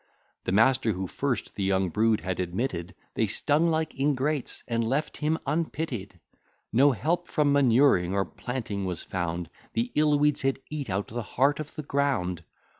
The master, who first the young brood had admitted, They stung like ingrates, and left him unpitied. No help from manuring or planting was found, The ill weeds had eat out the heart of the ground.